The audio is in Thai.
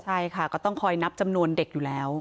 ใช่ค่ะก็ต้องคอยนับจำนวนเด็กอยู่แล้ว